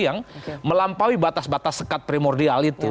yang melampaui batas batas sekat primordial itu